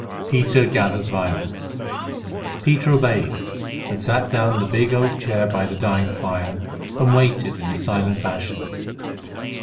PETER GATHERS VIOLETS. Peter obeyed, sat down in a big oak chair by the dying fire, and waited in his silent fashion.